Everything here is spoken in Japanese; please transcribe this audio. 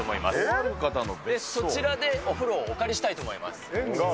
そちらでお風呂をお借りしたいと思います。